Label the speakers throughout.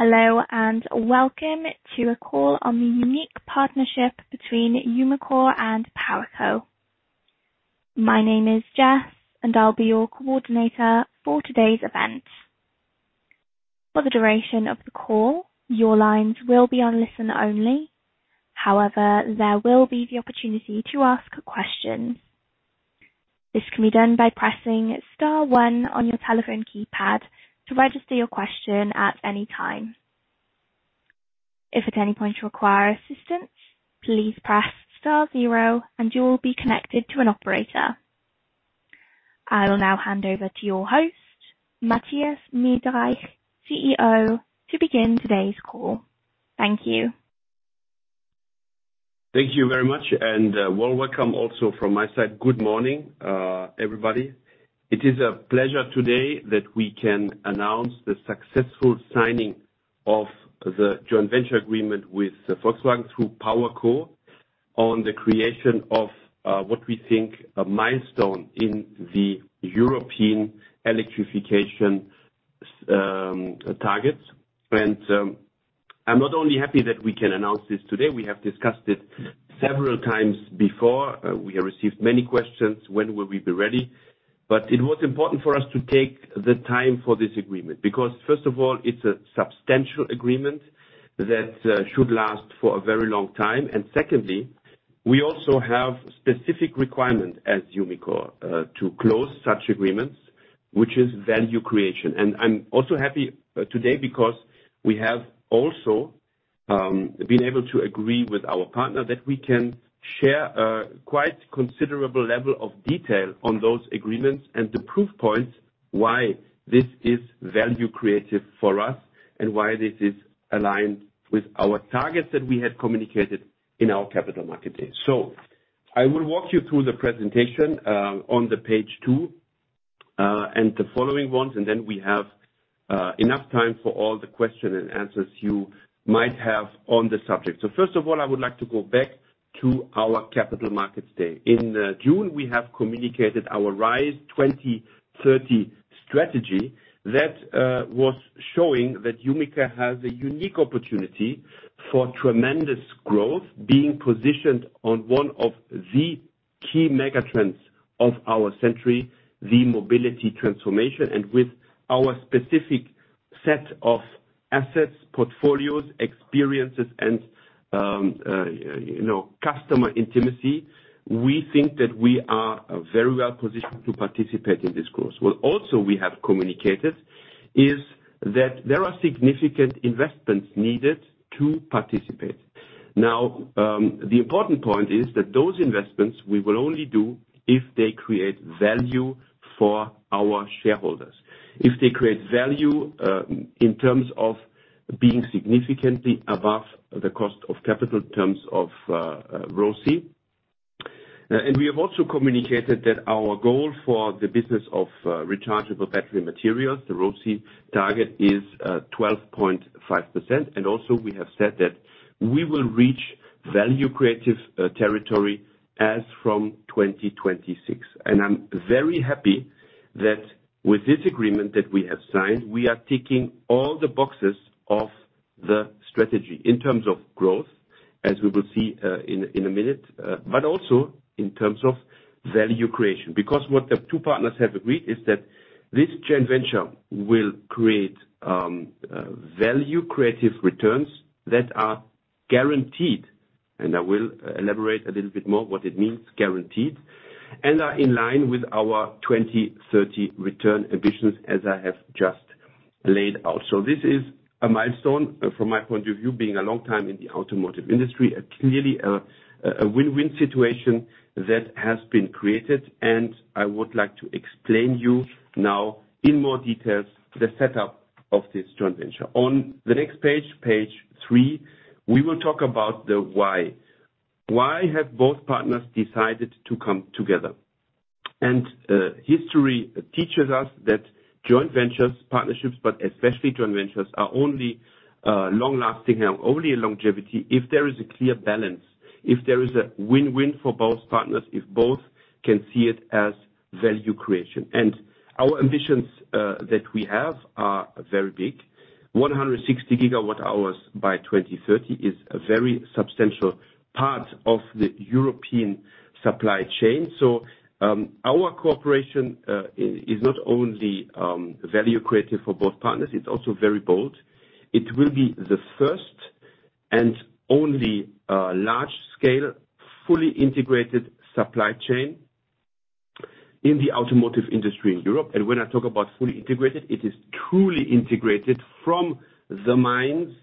Speaker 1: Hello, and welcome to a call on the unique partnership between Umicore and PowerCo. My name is Jess, and I'll be your coordinator for today's event. For the duration of the call, your lines will be on listen only. However, there will be the opportunity to ask questions. This can be done by pressing star one on your telephone keypad to register your question at any time. If at any point you require assistance, please press star zero and you will be connected to an operator. I will now hand over to your host, Mathias Miedreich, CEO, to begin today's call. Thank you.
Speaker 2: Thank you very much, and well, welcome also from my side. Good morning, everybody. It is a pleasure today that we can announce the successful signing of the joint venture agreement with Volkswagen through PowerCo on the creation of what we think a milestone in the European electrification targets. I'm not only happy that we can announce this today, we have discussed it several times before. We have received many questions, when will we be ready? It was important for us to take the time for this agreement, because first of all, it's a substantial agreement that should last for a very long time. Secondly, we also have specific requirement as Umicore to close such agreements, which is value creation. I'm also happy today because we have also been able to agree with our partner that we can share quite considerable level of detail on those agreements and the proof points why this is value creative for us, and why this is aligned with our targets that we had communicated in our Capital Markets Day. I will walk you through the presentation on the page 2 and the following ones, and then we have enough time for all the question and answers you might have on the subject. First of all, I would like to go back to our Capital Markets Day. In June, we have communicated our RISE 2030 strategy that was showing that Umicore has a unique opportunity for tremendous growth being positioned on one of the key mega-trends of our century, the mobility transformation. With our specific set of assets, portfolios, experiences and, you know, customer intimacy, we think that we are very well positioned to participate in this course. Well, also we have communicated is that there are significant investments needed to participate. Now, the important point is that those investments we will only do if they create value for our shareholders. If they create value, in terms of being significantly above the cost of capital in terms of ROCE. We have also communicated that our goal for the business of Rechargeable Battery Materials, the ROCE target is 12.5%. Also we have said that we will reach value-creating territory as from 2026. I'm very happy that with this agreement that we have signed, we are ticking all the boxes of the strategy in terms of growth, as we will see in a minute, but also in terms of value creation. Because what the two partners have agreed is that this joint venture will create value creative returns that are guaranteed, and I will elaborate a little bit more what it means, guaranteed, and are in line with our 2030 return ambitions, as I have just laid out. This is a milestone from my point of view, being a long time in the automotive industry. Clearly a win-win situation that has been created, and I would like to explain to you now in more details the setup of this joint venture. On the next page 3, we will talk about the why. Why have both partners decided to come together? History teaches us that joint ventures, partnerships, but especially joint ventures, are only long-lasting and only a longevity if there is a clear balance, if there is a win-win for both partners, if both can see it as value creation. Our ambitions that we have are very big. 160 GWh by 2030 is a very substantial part of the European supply chain. Our cooperation is not only value creative for both partners, it's also very bold. It will be the first and only large scale, fully integrated supply chain in the automotive industry in Europe. When I talk about fully integrated, it is truly integrated from the mines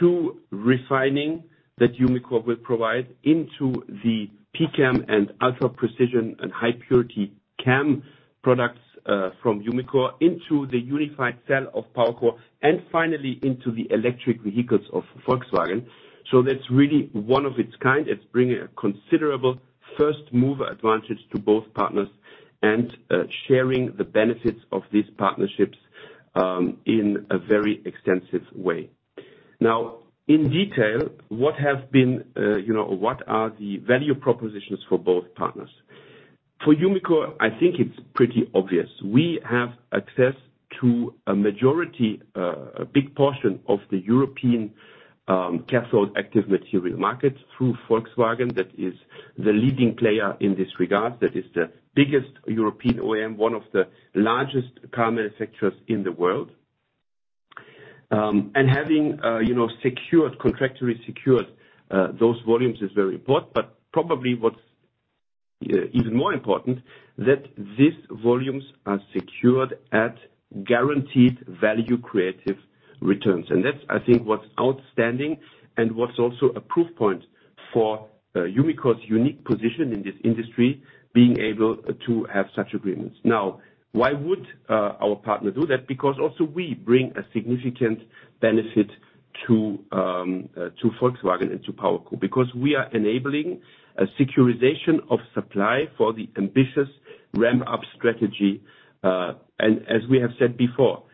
Speaker 2: to refining that Umicore will provide into the pCAM and ultra-precision and high purity CAM products, from Umicore into the Unified Cell of PowerCo, and finally into the electric vehicles of Volkswagen. That's really one of its kind. It's bringing a considerable first mover advantage to both partners and, sharing the benefits of these partnerships, in a very extensive way. Now, in detail, what have been, you know, what are the value propositions for both partners? For Umicore, I think it's pretty obvious. We have access to a majority, a big portion of the European, cathode active material market through Volkswagen. That is the leading player in this regard. That is the biggest European OEM, one of the largest car manufacturers in the world. Having, you know, secured, contractually secured, those volumes is very important. Probably what's even more important, that these volumes are secured at guaranteed value-creative returns. That's, I think, what's outstanding and what's also a proof point for Umicore's unique position in this industry, being able to have such agreements. Now, why would our partner do that? Because also we bring a significant benefit to Volkswagen and to PowerCo, because we are enabling a securitization of supply for the ambitious ramp-up strategy. As we have said before,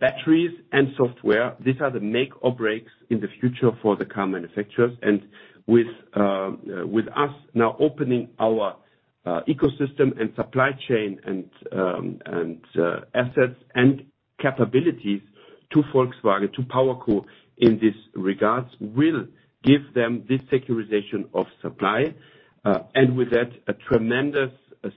Speaker 2: batteries and software, these are the make or breaks in the future for the car manufacturers. With us now opening our ecosystem and supply chain and assets and capabilities to Volkswagen, to PowerCo in this regards, will give them this securitization of supply, and with that, a tremendous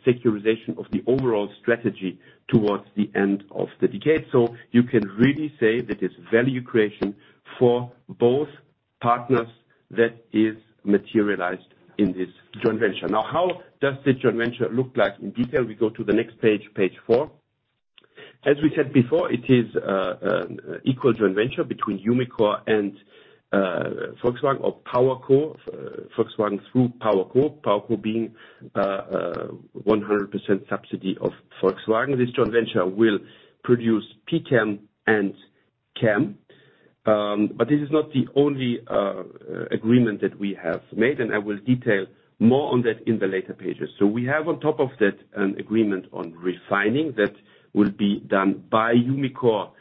Speaker 2: securitization of the overall strategy towards the end of the decade. You can really say that it's value creation for both partners that is materialized in this joint venture. Now, how does the joint venture look like in detail? We go to the next page 4. As we said before, it is equal joint venture between Umicore and Volkswagen or PowerCo, Volkswagen through PowerCo. PowerCo being 100% subsidiary of Volkswagen. This joint venture will produce pCAM and CAM. This is not the only agreement that we have made, and I will detail more on that in the later pages. We have on top of that an agreement on refining that will be done by Umicore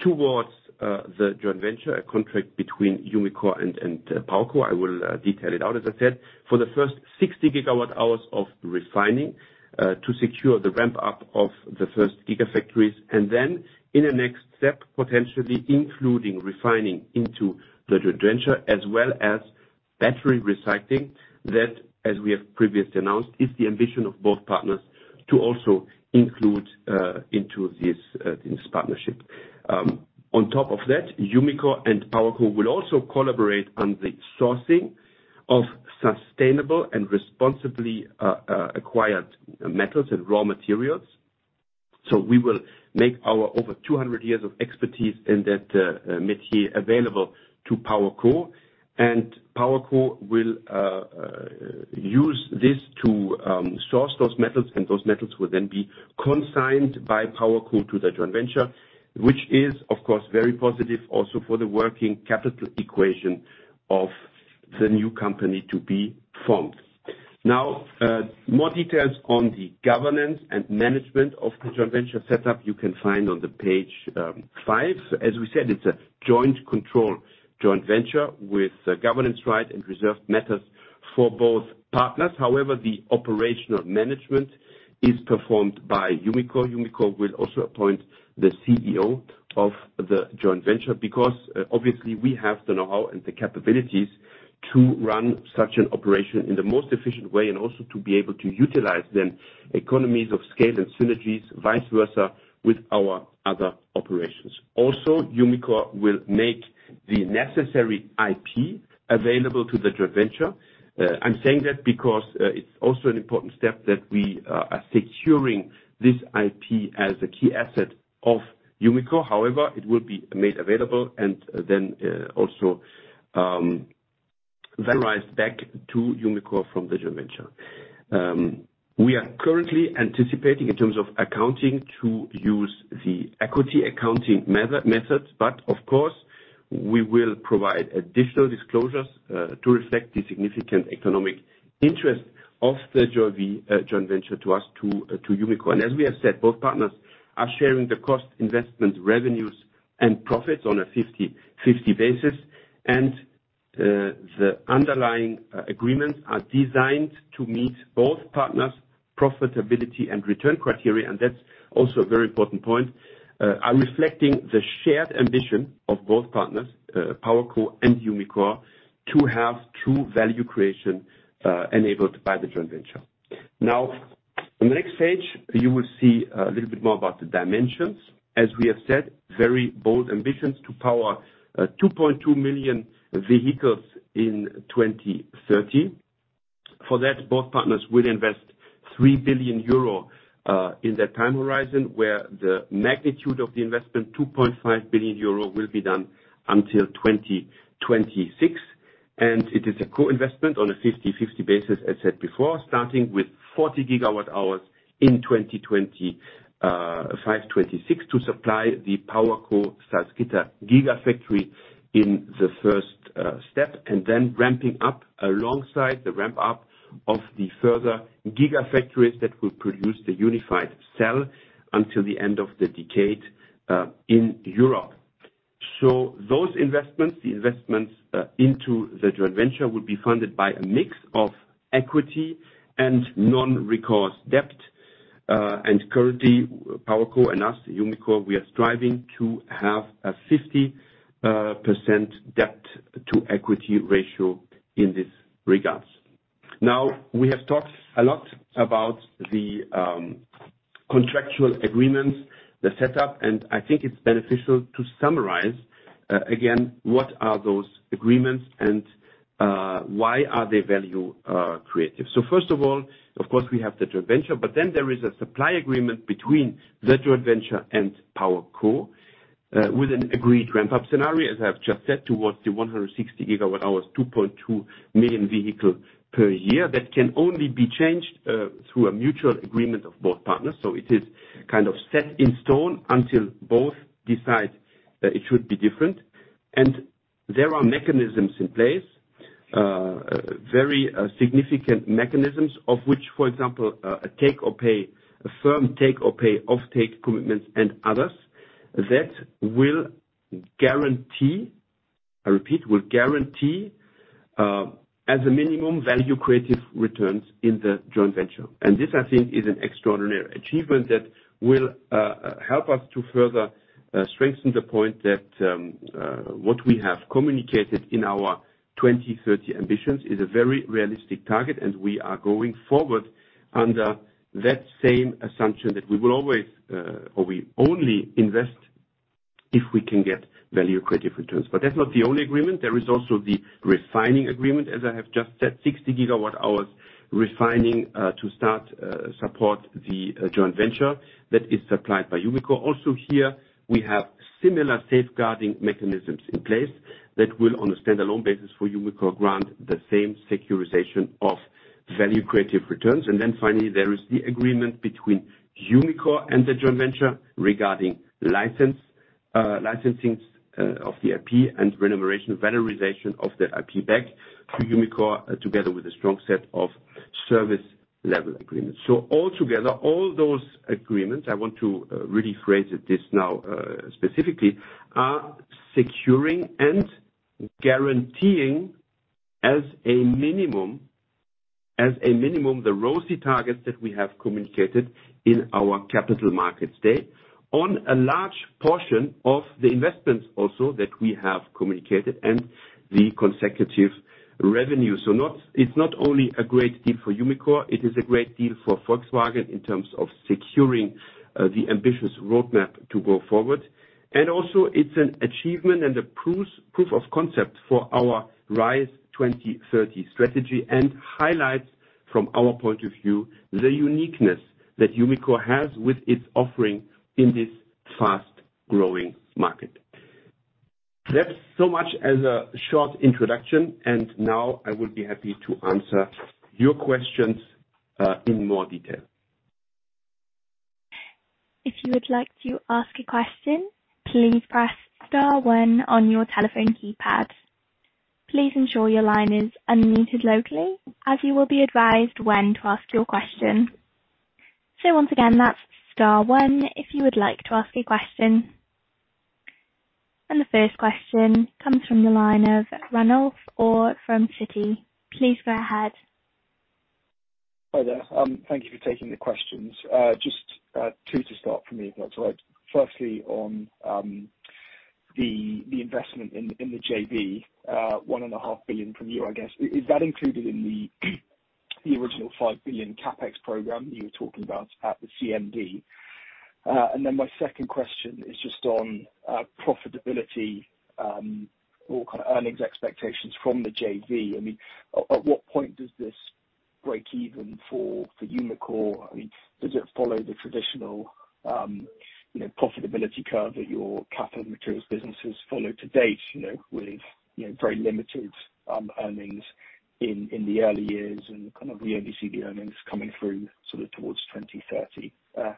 Speaker 2: toward the joint venture, a contract between Umicore and PowerCo. I will detail it out, as I said, for the first 60 GWh of refining to secure the ramp-up of the first gigafactories. Then in the next step, potentially including refining into the joint venture, as well as battery recycling. That, as we have previously announced, is the ambition of both partners to also include into this partnership. On top of that, Umicore and PowerCo will also collaborate on the sourcing of sustainable and responsibly acquired metals and raw materials. We will make our over 200 years of expertise in that métier available to PowerCo. PowerCo will use this to source those metals, and those metals will then be consigned by PowerCo to the joint venture, which is, of course, very positive also for the working capital equation of the new company to be formed. Now, more details on the governance and management of the joint venture setup you can find on page 5. As we said, it's a joint control joint venture with governance rights and reserved matters for both partners. However, the operational management is performed by Umicore. Umicore will also appoint the CEO of the joint venture, because obviously we have the know-how and the capabilities to run such an operation in the most efficient way and also to be able to utilize them economies of scale and synergies, vice versa, with our other operations. Also, Umicore will make the necessary IP available to the joint venture. I'm saying that because, it's also an important step that we are securing this IP as a key asset of Umicore. However, it will be made available and then, also, valorized back to Umicore from the joint venture. We are currently anticipating in terms of accounting to use the equity accounting method, but of course, we will provide additional disclosures, to reflect the significant economic interest of the JV, joint venture to us, to Umicore. As we have said, both partners are sharing the cost, investment, revenues, and profits on a 50/50 basis. The underlying agreements are designed to meet both partners' profitability and return criteria, and that's also a very important point, are reflecting the shared ambition of both partners, PowerCo and Umicore, to have true value creation, enabled by the joint venture. Now, on the next page, you will see a little bit more about the dimensions. As we have said, very bold ambitions to power 2.2 million vehicles in 2030. For that, both partners will invest 3 billion euro in that time horizon, where the magnitude of the investment, 2.5 billion euro, will be done until 2026. It is a co-investment on a 50/50 basis, as said before, starting with 40 GWh in 2025, 2026 to supply the PowerCo Salzgitter Gigafactory in the first step, and then ramping up alongside the ramp-up of the further gigafactories that will produce the Unified Cell until the end of the decade in Europe. Those investments into the joint venture will be funded by a mix of equity and non-recourse debt. Currently, PowerCo and us, Umicore, we are striving to have a 50% debt to equity ratio in this regard. Now, we have talked a lot about the contractual agreements, the setup, and I think it's beneficial to summarize again, what are those agreements and why are they value creative. First of all, of course, we have the joint venture, but then there is a supply agreement between the joint venture and PowerCo, with an agreed ramp-up scenario, as I've just said, towards the 160 GWh, 2.2 million vehicle per year. That can only be changed through a mutual agreement of both partners. It is kind of set in stone until both decide that it should be different. There are mechanisms in place, very significant mechanisms of which, for example, a firm take or pay off-take commitments and others that will guarantee, I repeat, will guarantee, as a minimum value creative returns in the joint venture. This, I think, is an extraordinary achievement that will help us to further strengthen the point that what we have communicated in our 2030 ambitions is a very realistic target, and we are going forward under that same assumption that we will always, or we only invest if we can get value-creating returns. That's not the only agreement. There is also the refining agreement, as I have just said, 60 GWh refining to start support the joint venture that is supplied by Umicore. Also here, we have similar safeguarding mechanisms in place that will, on a stand-alone basis for Umicore, grant the same securing of value-creating returns. Finally, there is the agreement between Umicore and the joint venture regarding licensing of the IP and remuneration, valorization of the IP back to Umicore together with a strong set of service level agreements. All together, all those agreements, I want to really phrase it this now specifically, are securing and guaranteeing as a minimum the ROCE targets that we have communicated in our capital markets statement on a large portion of the investments also that we have communicated and the consecutive revenue. It's not only a great deal for Umicore, it is a great deal for Volkswagen in terms of securing the ambitious roadmap to go forward. It's an achievement and a proof of concept for our RISE 2030 strategy and highlights from our point of view, the uniqueness that Umicore has with its offering in this fast-growing market. That's so much for a short introduction, and now I would be happy to answer your questions in more detail.
Speaker 1: If you would like to ask a question, please press star one on your telephone keypad. Please ensure your line is unmuted locally as you will be advised when to ask your question. So once again, that's star one if you would like to ask a question. The first question comes from the line of Ranulf Orr from Citi. Please go ahead.
Speaker 3: Hi there. Thank you for taking the questions. Just two to start for me, if that's all right. Firstly, on the investment in the JV, 1.5 billion from you, I guess. Is that included in the original 5 billion CapEx program that you were talking about at the CMD? My second question is just on profitability, or kind of earnings expectations from the JV. I mean, at what point does this break even for Umicore? I mean, does it follow the traditional profitability curve that your cathode materials businesses follow to date, you know, with very limited earnings in the early years and kind of we only see the earnings coming through sort of toward 2030.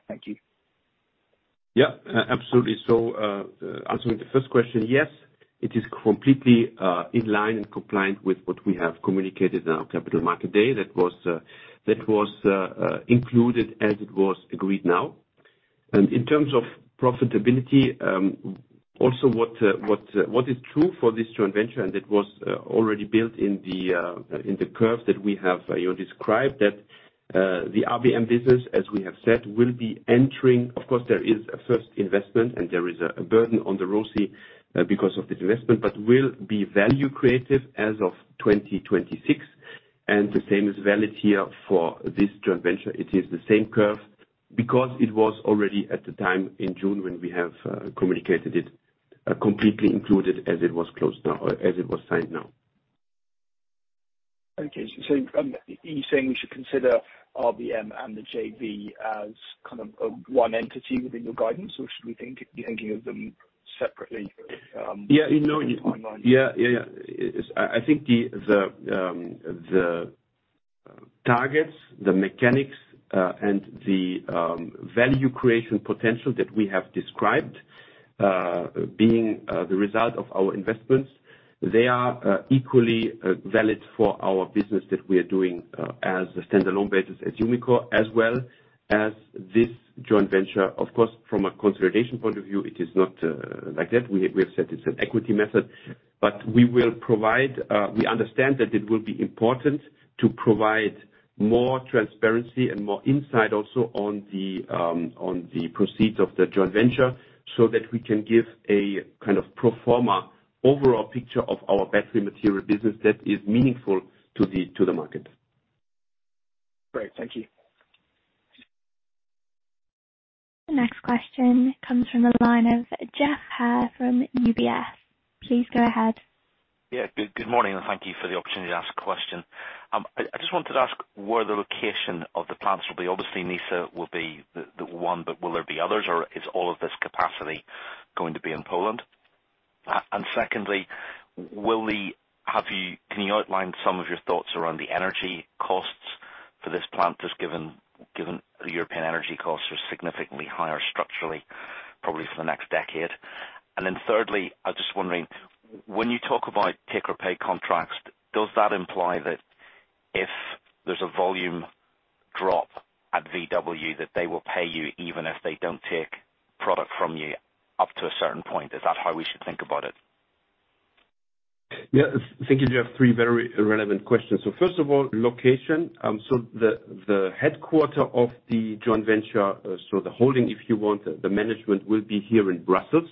Speaker 3: Thank you.
Speaker 2: Yeah, absolutely. Answering the first question, yes, it is completely in line and compliant with what we have communicated in our Capital Markets Day. That was included as it was agreed now. In terms of profitability, also what is true for this joint venture, and it was already built in the curve that we have, you know, described that the RBM business, as we have said, will be entering. Of course, there is a first investment and there is a burden on the ROCE because of this investment, but will be value creative as of 2026, and the same is valid here for this joint venture. It is the same curve because it was already at the time in June when we have communicated it, completely included as it was closed now or as it was signed now.
Speaker 3: Are you saying we should consider RBM and the JV as kind of one entity within your guidance, or should we think be thinking of them separately?
Speaker 2: Yeah. You know. Yeah. I think the targets, the mechanics, and the value creation potential that we have described, being the result of our investments. They are equally valid for our business that we are doing as a standalone basis as Umicore, as well as this joint venture. Of course, from a consolidation point of view, it is not like that. We have set this as an equity method, but we will provide. We understand that it will be important to provide more transparency and more insight also on the proceeds of the joint venture so that we can give a kind of pro forma overall picture of our battery material business that is meaningful to the market.
Speaker 3: Great. Thank you.
Speaker 1: The next question comes from the line of Geoff Haire from UBS. Please go ahead.
Speaker 4: Yeah. Good morning, and thank you for the opportunity to ask a question. I just wanted to ask where the location of the plants will be. Obviously, Nysa will be the one, but will there be others, or is all of this capacity going to be in Poland? Secondly, can you outline some of your thoughts around the energy costs for this plant, just given the European energy costs are significantly higher structurally, probably for the next decade. Thirdly, I was just wondering, when you talk about take or pay contracts, does that imply that if there's a volume drop at VW, that they will pay you even if they don't take product from you up to a certain point? Is that how we should think about it?
Speaker 2: Yeah. Thank you. You have three very relevant questions. First of all, location. The headquarters of the joint venture, so the holding, if you want, the management will be here in Brussels,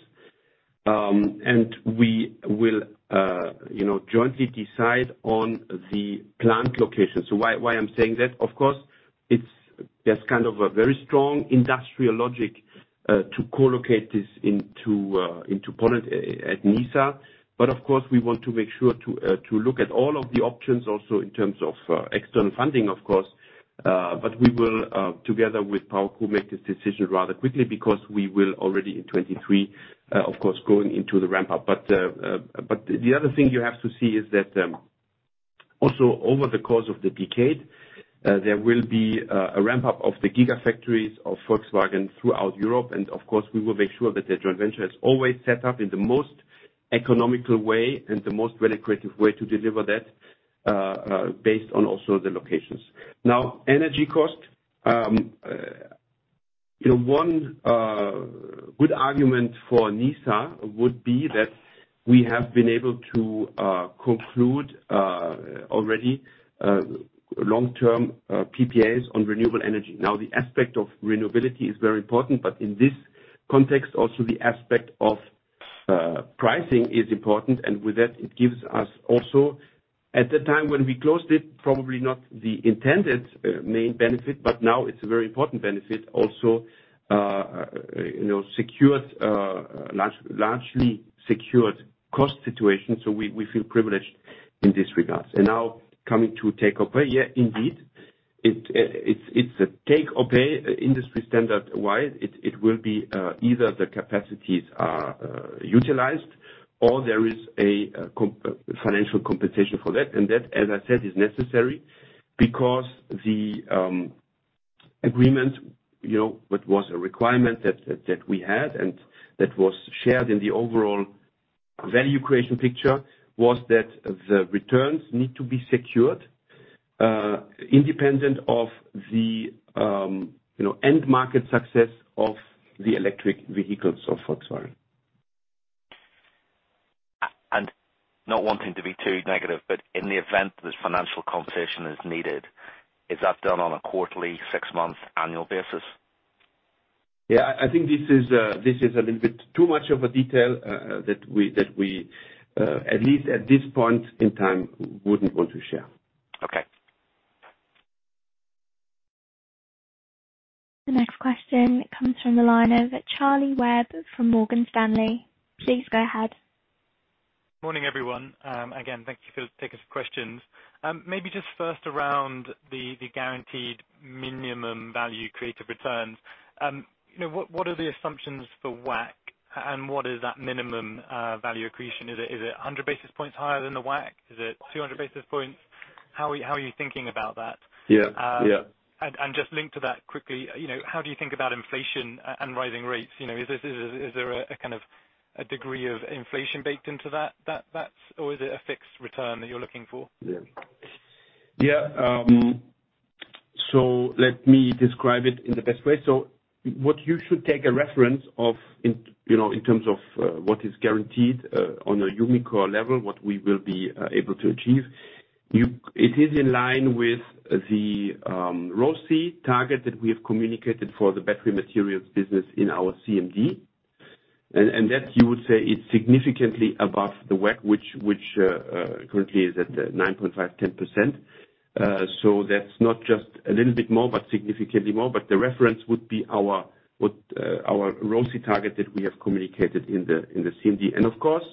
Speaker 2: and we will, you know, jointly decide on the plant location. Why I'm saying that, of course, it's just kind of a very strong industrial logic, to co-locate this into Poland at Nysa. Of course, we want to make sure to look at all of the options also in terms of external funding, of course. We will, together with PowerCo, make this decision rather quickly because we will already in 2023, of course, going into the ramp up. The other thing you have to see is that, also over the course of the decade, there will be a ramp up of the gigafactories of Volkswagen throughout Europe. Of course, we will make sure that the joint venture is always set up in the most economical way and the most value creative way to deliver that, based on also the locations. Now, energy cost. You know, one good argument for Nysa would be that we have been able to conclude already long-term PPAs on renewable energy. Now, the aspect of renewability is very important, but in this context, also the aspect of pricing is important. With that, it gives us also at the time when we closed it, probably not the intended main benefit, but now it's a very important benefit also, you know, secured largely secured cost situation. We feel privileged in this regards. Now coming to take or pay. Yeah, indeed, it's a take or pay industry standard wide. It will be either the capacities are utilized or there is a financial compensation for that. That, as I said, is necessary because the agreement, you know, what was a requirement that we had and that was shared in the overall value creation picture, was that the returns need to be secured independent of the you know end market success of the electric vehicles of Volkswagen.
Speaker 4: Not wanting to be too negative, but in the event this financial compensation is needed, is that done on a quarterly, six-month, annual basis?
Speaker 2: Yeah, I think this is a little bit too much of a detail that we at least at this point in time wouldn't want to share.
Speaker 4: Okay.
Speaker 1: The next question comes from the line of Charlie Webb from Morgan Stanley. Please go ahead.
Speaker 5: Morning, everyone. Again, thank you for taking some questions. Maybe just first around the guaranteed minimum value-creating returns. You know, what are the assumptions for WACC and what is that minimum value accretion? Is it 100 basis points higher than the WACC? Is it 200 basis points? How are you thinking about that?
Speaker 2: Yeah, yeah.
Speaker 5: Just linked to that quickly, you know, how do you think about inflation and rising rates? You know, is there a kind of a degree of inflation baked into that that's or is it a fixed return that you're looking for?
Speaker 2: Yeah. Yeah. Let me describe it in the best way. What you should take a reference of in, you know, in terms of what is guaranteed on a Umicore level, what we will be able to achieve. It is in line with the ROCE target that we have communicated for the battery materials business in our CMD. And that you would say is significantly above the WACC, which currently is at 9.5%-10%. That's not just a little bit more, but significantly more. The reference would be our ROCE target that we have communicated in the CMD. Of course,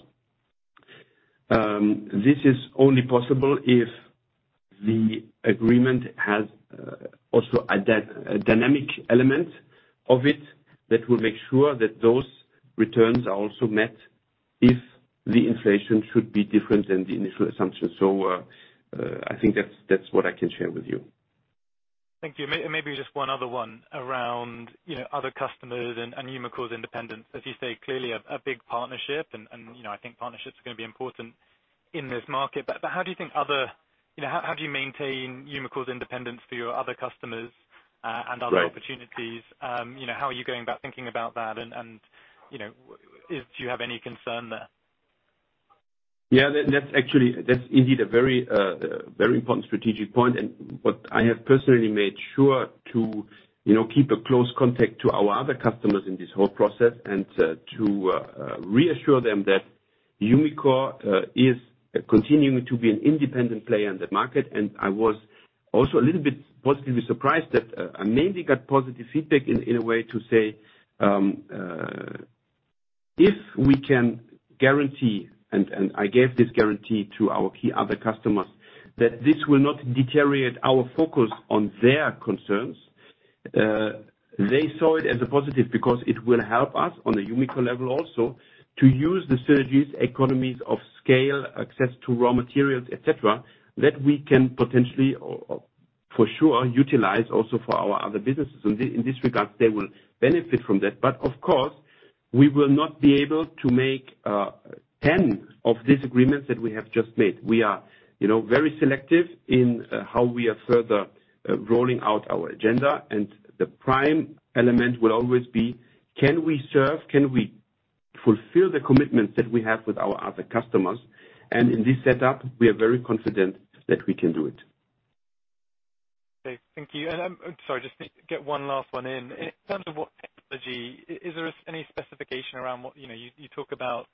Speaker 2: this is only possible if the agreement has also a dynamic element of it that will make sure that those returns are also met. If the inflation should be different than the initial assumption. I think that's what I can share with you.
Speaker 5: Thank you. Maybe just one other one around, you know, other customers and Umicore's independence. As you say, clearly a big partnership and, you know, I think partnerships are gonna be important in this market. How do you think other. You know, how do you maintain Umicore's independence for your other customers.
Speaker 2: Right.
Speaker 5: Other opportunities? You know, how are you going about thinking about that and, you know, if you have any concern there?
Speaker 2: Yeah, that's actually, that's indeed a very very important strategic point and what I have personally made sure to, you know, keep a close contact to our other customers in this whole process and to reassure them that Umicore is continuing to be an independent player in the market. I was also a little bit positively surprised that I mainly got positive feedback in a way to say if we can guarantee, and I gave this guarantee to our key other customers that this will not deteriorate our focus on their concerns. They saw it as a positive because it will help us on a Umicore level also to use the synergies, economies of scale, access to raw materials, et cetera, that we can potentially or for sure utilize also for our other businesses. In this regard, they will benefit from that. But of course, we will not be able to make ten of these agreements that we have just made. We are, you know, very selective in how we are further rolling out our agenda, and the prime element will always be can we serve, can we fulfill the commitments that we have with our other customers? In this setup, we are very confident that we can do it.
Speaker 5: Okay. Thank you. Sorry, just need to get one last one in. In terms of what technology, is there any specification around what you know, you talk about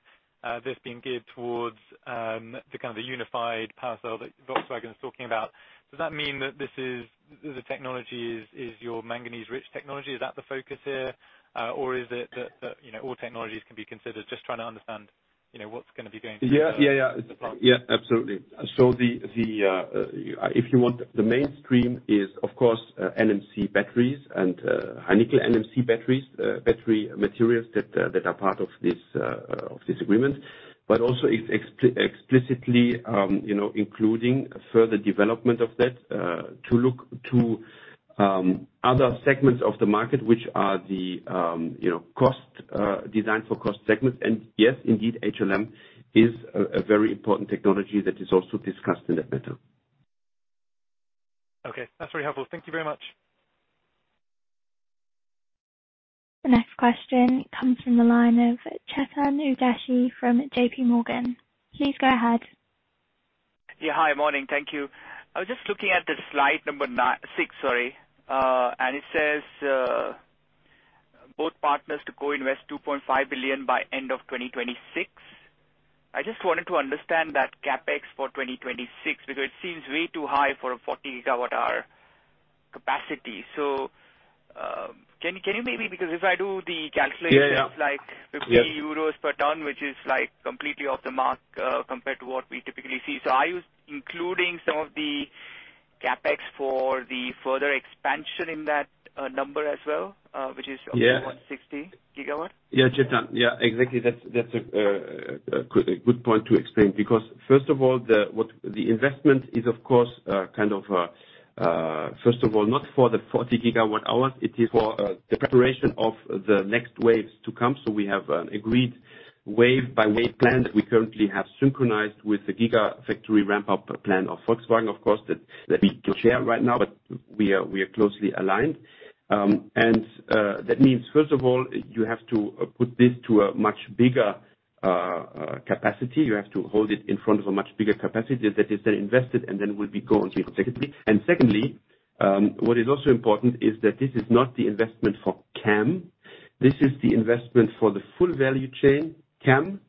Speaker 5: this being geared towards the kind of Unified Cell that Volkswagen is talking about. Does that mean that this is the technology is your manganese-rich technology? Is that the focus here, or is it that you know, all technologies can be considered? Just trying to understand, you know, what's gonna be going forward.
Speaker 2: Yeah.
Speaker 5: As well.
Speaker 2: Yeah, absolutely. The mainstream is of course NMC batteries and high nickel NMC batteries, battery materials that are part of this agreement, but also explicitly, you know, including further development of that to look to other segments of the market, which are the, you know, cost designed for cost segments. Yes, indeed, HLM is a very important technology that is also discussed in that matter.
Speaker 5: Okay. That's very helpful. Thank you very much.
Speaker 1: The next question comes from the line of Chetan Udeshi from JPMorgan. Please go ahead.
Speaker 6: Yeah. Hi. Morning. Thank you. I was just looking at the slide number six, sorry. It says both partners to co-invest 2.5 billion by end of 2026. I just wanted to understand that CapEx for 2026, because it seems way too high for a 40 GWh capacity. Can you maybe, because if I do the calculations.
Speaker 2: Yeah, yeah.
Speaker 6: Like 50 per ton, which is, like, completely off the mark, compared to what we typically see. Are you including some of the CapEx for the further expansion in that number as well, which is-
Speaker 2: Yeah.
Speaker 6: over 160 GW?
Speaker 2: Yeah, Chetan. Yeah, exactly. That's a good point to explain, because first of all, the investment is of course kind of first of all not for the 40 GWh, it is for the preparation of the next waves to come. We have an agreed wave by wave plan that we currently have synchronized with the gigafactory ramp-up plan of Volkswagen, of course, that we can't share right now, but we are closely aligned. That means first of all you have to put this to a much bigger capacity. You have to hold it in front of a much bigger capacity that is then invested and then will be going sequentially. Secondly, what is also important is that this is not the investment for CAM. This is the investment for the full value chain, CAM,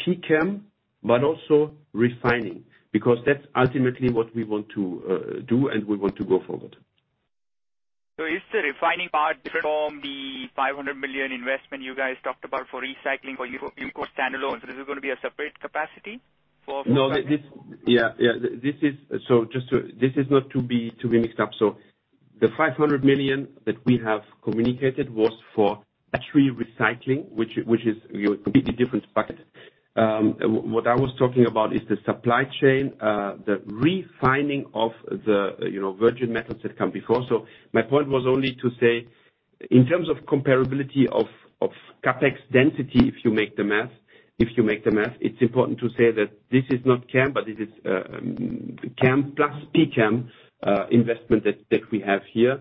Speaker 2: pCAM, but also refining, because that's ultimately what we want to do, and we want to go forward.
Speaker 6: Is the refining part different from the 500 million investment you guys talked about for recycling for Umicore standalone? This is gonna be a separate capacity for Volkswagen?
Speaker 2: No, this is not to be mixed up. The 500 million that we have communicated was for battery recycling, which is, you know, a completely different bucket. What I was talking about is the supply chain, the refining of the you know virgin metals that come before. My point was only to say in terms of comparability of CapEx density, if you make the math, it's important to say that this is not CAM, but it is CAM plus pCAM investment that we have here,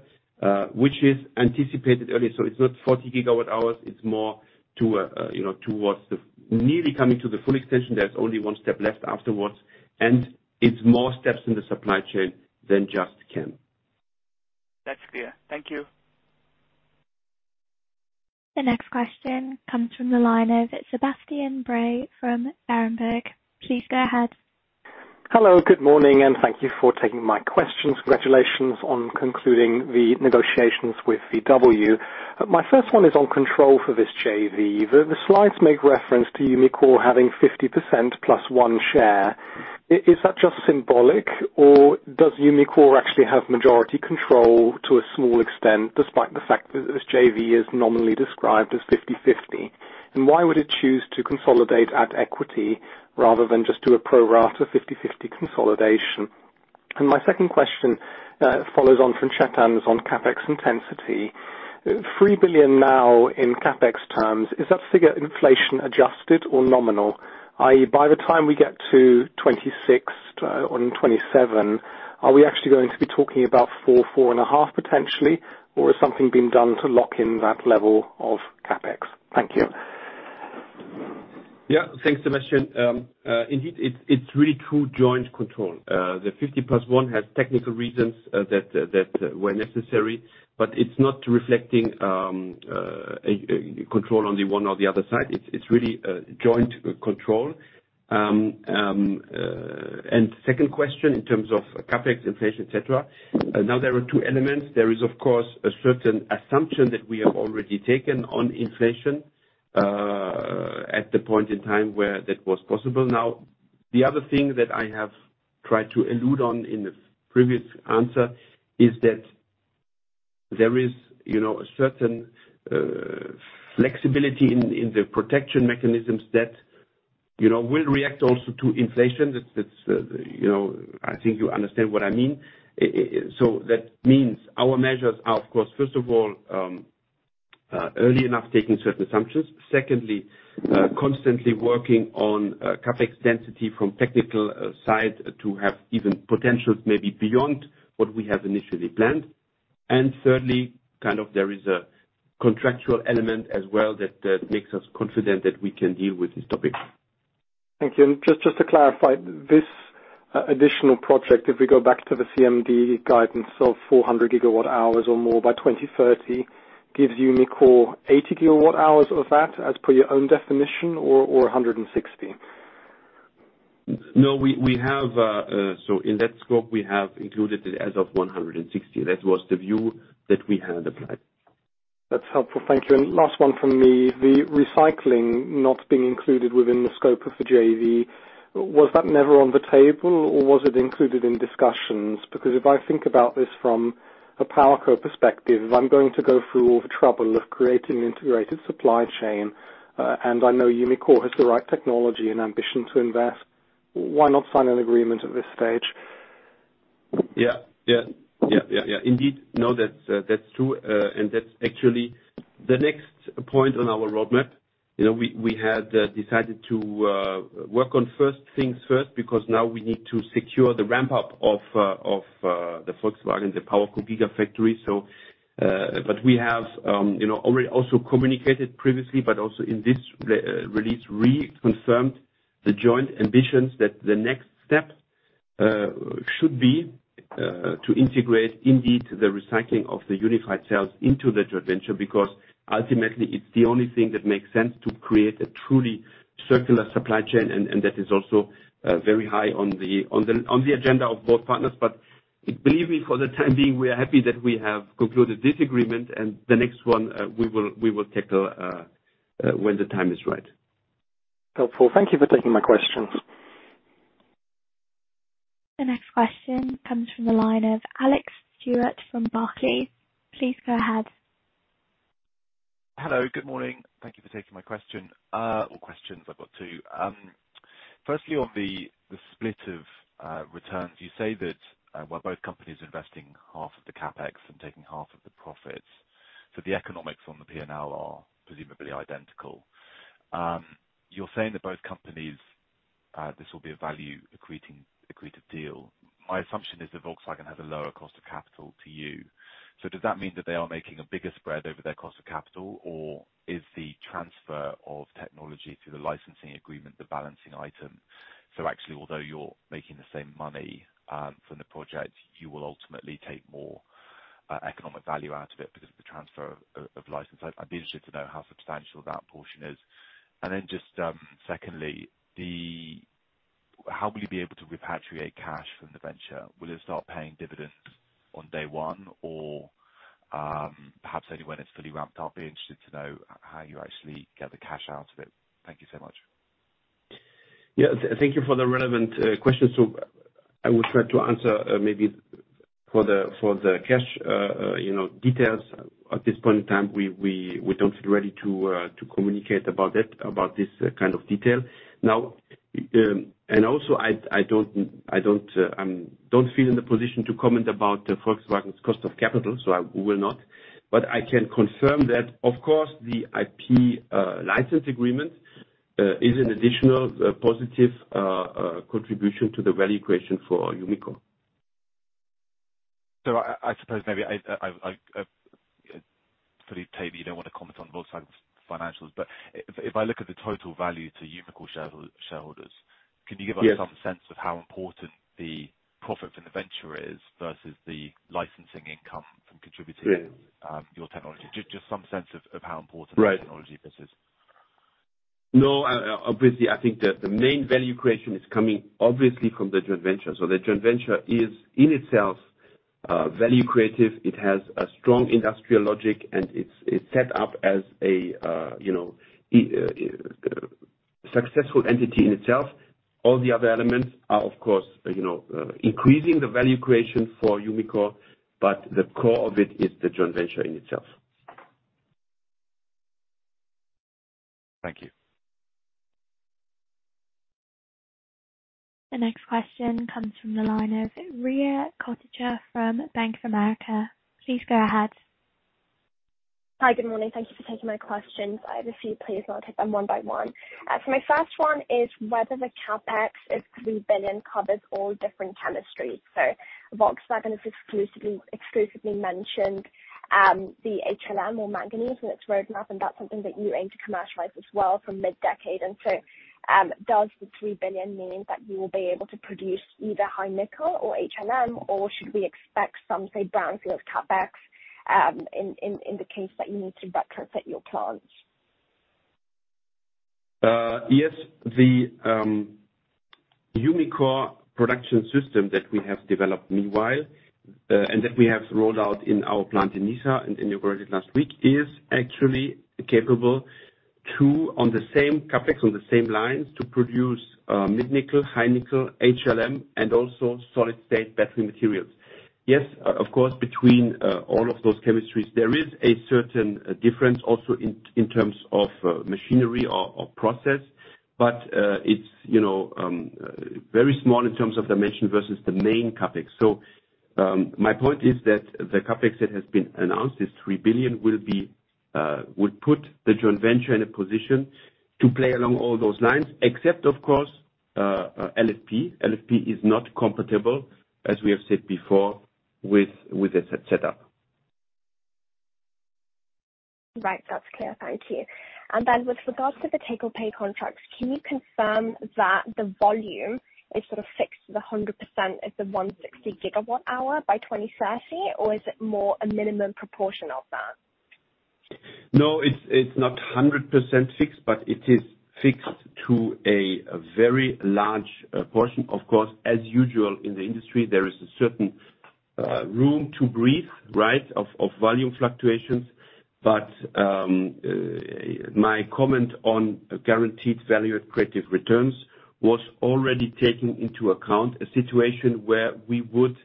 Speaker 2: which is anticipated early. It's not 40 GWh, it's more to a you know towards the. Nearly coming to the full extension, there's only one step left afterwards, and it's more steps in the supply chain than just CAM.
Speaker 6: That's clear. Thank you.
Speaker 1: The next question comes from the line of Sebastian Bray from Berenberg. Please go ahead.
Speaker 7: Hello. Good morning, and thank you for taking my questions. Congratulations on concluding the negotiations with VW. My first one is on control for this JV. The slides make reference to Umicore having 50% plus one share. Is that just symbolic or does Umicore actually have majority control to a small extent, despite the fact that this JV is normally described as 50/50? Why would it choose to consolidate at equity rather than just do a pro rata 50/50 consolidation? My second question follows on from Chetan. It's on CapEx intensity. 3 billion now in CapEx terms, is that figure inflation adjusted or nominal? i.e., by the time we get to 2026 or 2027, are we actually going to be talking about 4.5 potentially, or has something been done to lock in that level of CapEx? Thank you.
Speaker 2: Yeah. Thanks, Sebastian. Indeed, it's really true joint control. The 50+1 has technical reasons that were necessary, but it's not reflecting control on the one or the other side. It's really joint control. Second question in terms of CapEx, inflation, et cetera. Now, there are two elements. There is, of course, a certain assumption that we have already taken on inflation at the point in time where that was possible. Now, the other thing that I have tried to allude on in the previous answer is that there is, you know, a certain flexibility in the protection mechanisms that, you know, will react also to inflation. That's, you know, I think you understand what I mean. That means our measures are, of course, first of all, early enough, taking certain assumptions. Secondly, constantly working on CapEx density from technical side to have even potentials maybe beyond what we have initially planned. Thirdly, kind of, there is a contractual element as well that makes us confident that we can deal with this topic.
Speaker 7: Thank you. Just to clarify, this additional project, if we go back to the CMD guidance of 400 GWh or more by 2030, gives Umicore 80 GWh of that as per your own definition or 160 GWh?
Speaker 2: No, we have so in that scope, we have included it as of 160 GWh. That was the view that we had applied.
Speaker 7: That's helpful. Thank you. Last one from me, the recycling not being included within the scope of the JV, was that never on the table, or was it included in discussions? Because if I think about this from a PowerCo perspective, if I'm going to go through all the trouble of creating an integrated supply chain, and I know Umicore has the right technology and ambition to invest, why not sign an agreement at this stage?
Speaker 2: Yeah. Indeed. No, that's true. That's actually the next point on our roadmap. You know, we had decided to work on first things first, because now we need to secure the ramp-up of the Volkswagen, the PowerCo gigafactory. But we have, you know, already also communicated previously, but also in this release, reconfirmed the joint ambitions that the next step should be to integrate indeed the recycling of the unified cells into the joint venture, because ultimately it's the only thing that makes sense to create a truly circular supply chain, and that is also very high on the agenda of both partners. Believe me, for the time being, we are happy that we have concluded this agreement and the next one. We will tackle when the time is right.
Speaker 7: Helpful. Thank you for taking my question.
Speaker 1: The next question comes from the line of Alex Stewart from Barclays. Please go ahead.
Speaker 8: Hello, good morning. Thank you for taking my question or questions. I've got two. Firstly, on the split of returns, you say that while both companies are investing half of the CapEx and taking half of the profits, the economics on the P&L are presumably identical. You're saying that both companies this will be a value-accreting deal. My assumption is that Volkswagen has a lower cost of capital than you. Does that mean that they are making a bigger spread over their cost of capital, or is the transfer of technology through the licensing agreement the balancing item? Actually, although you're making the same money from the project, you will ultimately take more economic value out of it because of the transfer of license. I'd be interested to know how substantial that portion is. How will you be able to repatriate cash from the venture? Will it start paying dividends on day one or perhaps only when it's fully ramped up? I'd be interested to know how you actually get the cash out of it. Thank you so much.
Speaker 2: Yeah. Thank you for the relevant question. I will try to answer, maybe for the cash, you know, details at this point in time, we don't feel ready to communicate about that, about this kind of detail. Now, and also, I don't feel in the position to comment about Volkswagen's cost of capital, so I will not. I can confirm that, of course, the IP license agreement is an additional positive contribution to the value creation for Umicore.
Speaker 8: I suppose maybe I fully take that you don't want to comment on Volkswagen's financials, but if I look at the total value to Umicore shareholders, can you give us?
Speaker 2: Yes.
Speaker 8: some sense of how important the profit from the venture is versus the licensing income from contributing.
Speaker 2: Yeah.
Speaker 8: your technology? Just some sense of how important-
Speaker 2: Right.
Speaker 8: the technology business.
Speaker 2: No, obviously, I think the main value creation is coming obviously from the joint venture. The joint venture is in itself value creative. It has a strong industrial logic, and it's set up as a successful entity in itself. All the other elements are, of course, increasing the value creation for Umicore, but the core of it is the joint venture in itself.
Speaker 8: Thank you.
Speaker 1: The next question comes from the line of Riya Kotecha from Bank of America. Please go ahead.
Speaker 9: Hi. Good morning. Thank you for taking my questions. I have a few. Please, I'll take them one by one. My first one is whether the CapEx is 3 billion covers all different chemistries. Volkswagen has exclusively mentioned the HLM or manganese in its roadmap, and that's something that you aim to commercialize as well from mid-decade. Does the 3 billion mean that you will be able to produce either high nickel or HLM, or should we expect some, say, down the line CapEx in the case that you need to retrofit your plants?
Speaker 2: Yes. The Umicore production system that we have developed meanwhile, and that we have rolled out in our plant in Nysa and inaugurated last week, is actually capable to, on the same CapEx, on the same lines, to produce, mid-nickel, high nickel, HLM and also solid-state battery materials. Yes, of course, between all of those chemistries, there is a certain difference also in terms of machinery or process, but it's you know very small in terms of dimension versus the main CapEx. My point is that the CapEx that has been announced, 3 billion, will put the joint venture in a position to play along all those lines, except of course LFP. LFP is not compatible, as we have said before, with this setup.
Speaker 9: Right. That's clear. Thank you. With regards to the take or pay contracts, can you confirm that the volume is sort of fixed to the 100% as the 160 GWh by 2030, or is it more a minimum proportion of that?
Speaker 2: No, it's not 100% fixed, but it is fixed to a very large portion. Of course, as usual in the industry, there is a certain room to breathe, right, of volume fluctuations. My comment on guaranteed value accretive returns was already taking into account a situation where we would,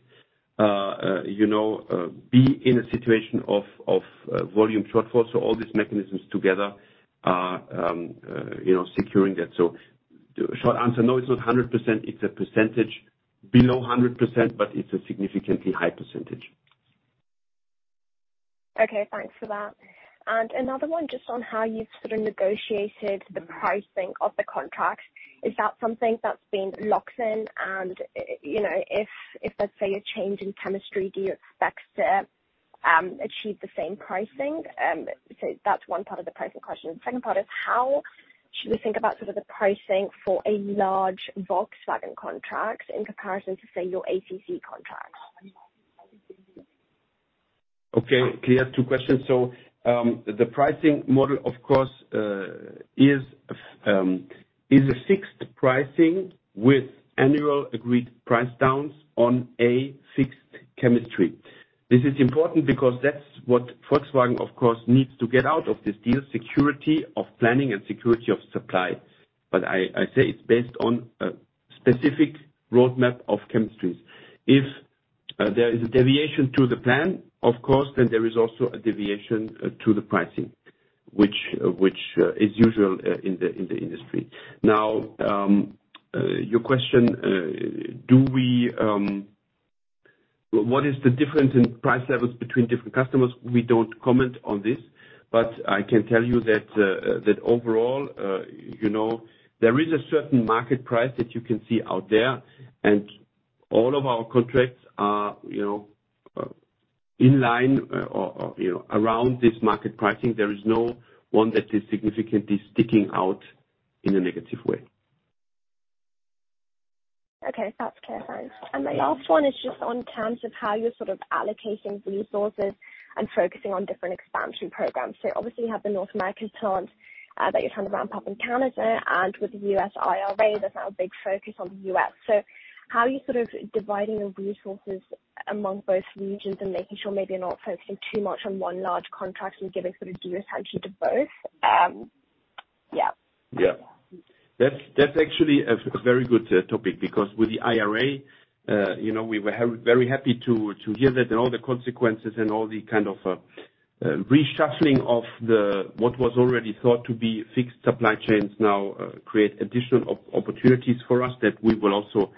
Speaker 2: you know, be in a situation of volume shortfall. All these mechanisms together are, you know, securing that. Short answer, no, it's not 100%. It's a percentage below 100%, but it's a significantly high percentage.
Speaker 9: Okay, thanks for that. Another one just on how you've sort of negotiated the pricing of the contracts. Is that something that's been locked in? You know, if, let's say, a change in chemistry, do you expect to achieve the same pricing? That's one part of the pricing question. Second part is how should we think about sort of the pricing for a large Volkswagen contract in comparison to, say, your ACC contracts?
Speaker 2: Okay, clear. Two questions. The pricing model, of course, is a fixed pricing with annual agreed price downs on a fixed chemistry. This is important because that's what Volkswagen, of course, needs to get out of this deal, security of planning and security of supply. I say it's based on a specific roadmap of chemistries. If there is a deviation to the plan, of course, then there is also a deviation to the pricing, which is usual in the industry. Now, your question, what is the difference in price levels between different customers? We don't comment on this, but I can tell you that overall, you know, there is a certain market price that you can see out there, and all of our contracts are, you know, in line or, you know, around this market pricing. There is no one that is significantly sticking out in a negative way.
Speaker 9: Okay. That's clear. Thanks. My last one is just in terms of how you're sort of allocating resources and focusing on different expansion programs. Obviously you have the North American plant that you're trying to ramp up in Canada. With the U.S. IRA, there's now a big focus on the U.S. How are you sort of dividing the resources among both regions and making sure maybe you're not focusing too much on one large contract and giving sort of due attention to both?
Speaker 2: Yeah. That's actually a very good topic because with the IRA, you know, we were very happy to hear that all the consequences and all the kind of reshuffling of what was already thought to be fixed supply chains now create additional opportunities for us that we will also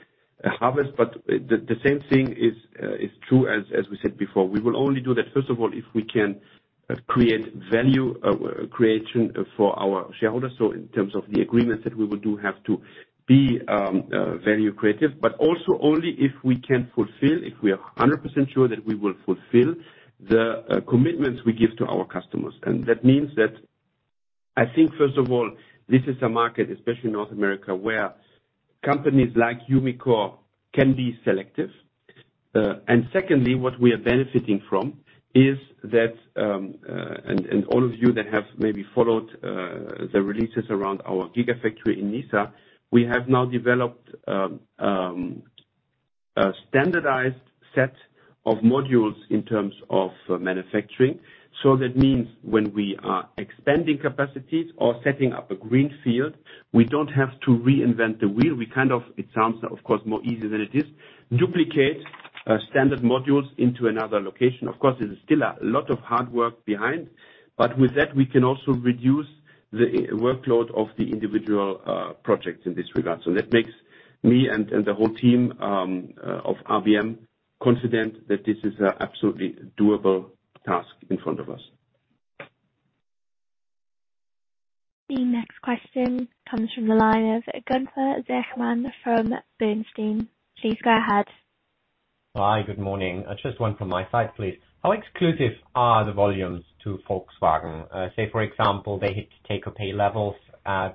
Speaker 2: harvest. The same thing is true as we said before. We will only do that, first of all, if we can create value creation for our shareholders. In terms of the agreements that we will do have to be value creative, but also only if we can fulfill, if we are 100% sure that we will fulfill the commitments we give to our customers. That means that I think, first of all, this is a market, especially North America, where companies like Umicore can be selective. Secondly, what we are benefiting from is that, and all of you that have maybe followed the releases around our gigafactory in Nysa, we have now developed a standardized set of modules in terms of manufacturing. That means when we are expanding capacities or setting up a green field, we don't have to reinvent the wheel. We kind of, it sounds of course, more easier than it is, duplicate standard modules into another location. Of course, there's still a lot of hard work behind, but with that, we can also reduce the workload of the individual projects in this regard. That makes me and the whole team of RBM confident that this is an absolutely doable task in front of us.
Speaker 1: The next question comes from the line of Gunther Zechmann from Bernstein. Please go ahead.
Speaker 10: Hi, good morning. Just one from my side, please. How exclusive are the volumes to Volkswagen? Say, for example, they hit take or pay levels,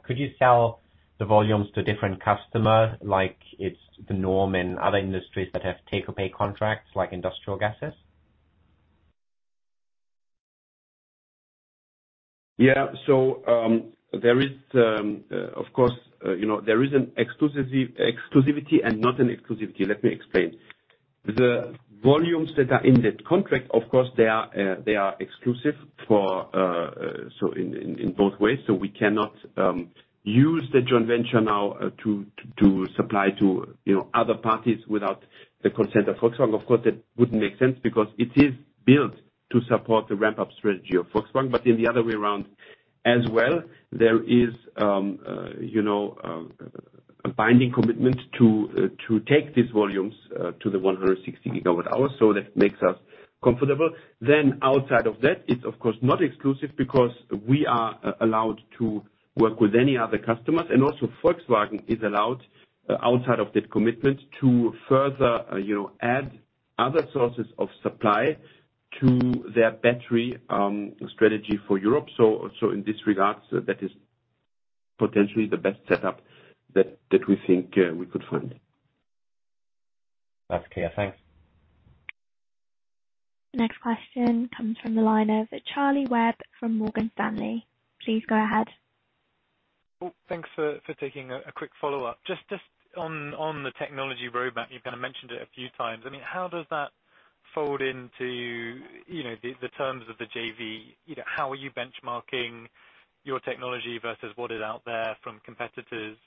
Speaker 10: could you sell the volumes to a different customer like it's the norm in other industries that have take or pay contracts like industrial gases?
Speaker 2: Yeah. There is, of course, you know, there is an exclusivity and not an exclusivity. Let me explain. The volumes that are in that contract, of course, they are exclusive for, so in both ways. We cannot use the joint venture now to supply to, you know, other parties without the consent of Volkswagen. Of course, that wouldn't make sense because it is built to support the ramp-up strategy of Volkswagen. Then the other way around as well, there is, you know, a binding commitment to take these volumes to the 160 GWh, so that makes us comfortable. Outside of that, it is of course not exclusive because we are allowed to work with any other customers. Also Volkswagen is allowed outside of that commitment to further, you know, add other sources of supply to their battery strategy for Europe. In this regard, that is potentially the best setup that we think we could find.
Speaker 10: That's clear. Thanks.
Speaker 1: Next question comes from the line of Charlie Webb from Morgan Stanley. Please go ahead.
Speaker 5: Oh, thanks for taking a quick follow-up. Just on the technology roadmap, you've kind of mentioned it a few times. I mean, how does that fold into, you know, the terms of the JV? You know, how are you benchmarking your technology versus what is out there from competitors?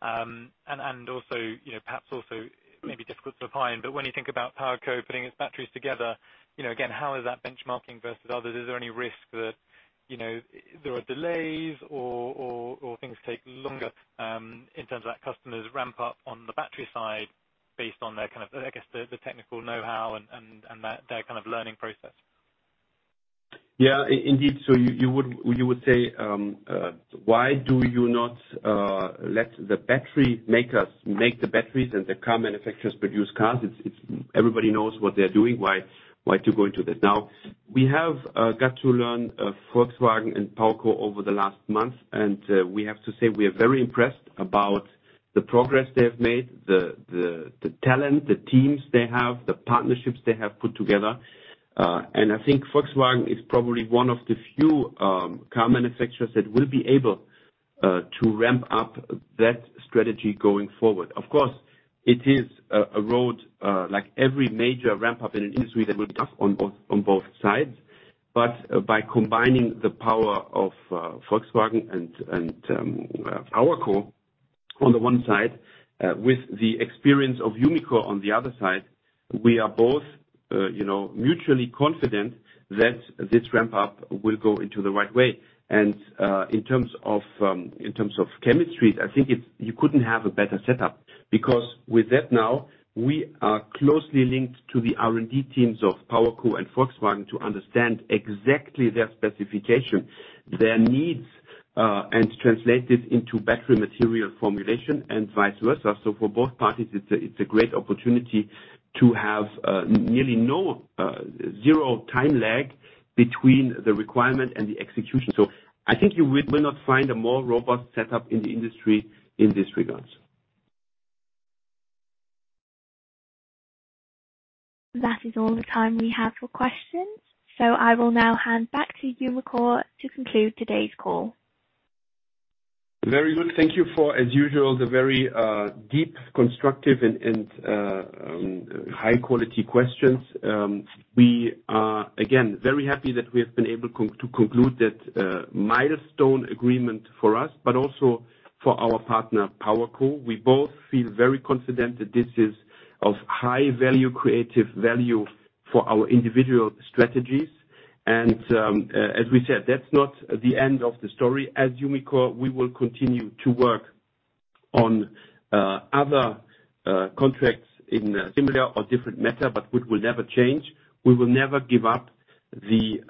Speaker 5: And also, you know, perhaps also maybe difficult to define, but when you think about PowerCo putting its batteries together, you know, again, how is that benchmarking versus others? Is there any risk that, you know, there are delays or things take longer, in terms of that customers ramp up on the battery side based on their kind of, I guess, the technical know-how and their kind of learning process?
Speaker 2: Yeah. Indeed, so you would say, why do you not let the battery makers make the batteries and the car manufacturers produce cars? It's everybody knows what they're doing. Why to go into that? Now, we have got to learn Volkswagen and PowerCo over the last month, and we have to say, we are very impressed about the progress they have made, the talent, the teams they have, the partnerships they have put together. I think Volkswagen is probably one of the few car manufacturers that will be able to ramp up that strategy going forward. Of course, it is a road like every major ramp-up in an industry that will be tough on both sides. By combining the power of Volkswagen and PowerCo on the one side with the experience of Umicore on the other side, we are both, you know, mutually confident that this ramp-up will go into the right way. In terms of chemistries, I think you couldn't have a better setup. Because with that now, we are closely linked to the R&D teams of PowerCo and Volkswagen to understand exactly their specification, their needs and translate it into battery material formulation and vice versa. For both parties, it's a great opportunity to have nearly no zero time lag between the requirement and the execution. I think you will not find a more robust setup in the industry in this regard.
Speaker 1: That is all the time we have for questions, so I will now hand back to Umicore to conclude today's call.
Speaker 2: Very good. Thank you for, as usual, the very deep, constructive and high quality questions. We are, again, very happy that we have been able to conclude that milestone agreement for us, but also for our partner, PowerCo. We both feel very confident that this is of high value, creative value for our individual strategies. As we said, that's not the end of the story. As Umicore, we will continue to work on other contracts in a similar or different manner, but what will never change, we will never give up the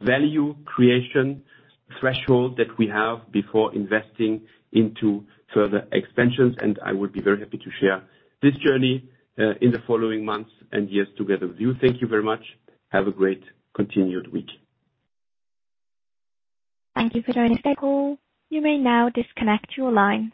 Speaker 2: value creation threshold that we have before investing into further expansions. I would be very happy to share this journey in the following months and years together with you. Thank you very much. Have a great continued week.
Speaker 1: Thank you for joining this call. You may now disconnect your lines.